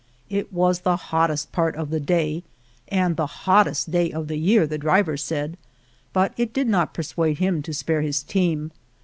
It was the hottest part of the day, and the hottest day of the year, the driver said, but it did not persuade him to spare his team.